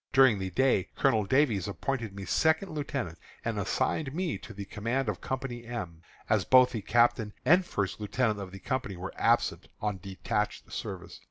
During the day Colonel Davies appointed me second lieutenant, and assigned me to the command of Company M, as both the captain and first lieutenant of the company are absent on detached service.